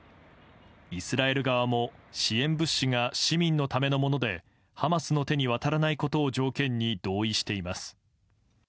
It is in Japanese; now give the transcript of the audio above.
イスラエル側も支援物資が市民のためのものでハマスの手に渡らないことを条件に同意しています。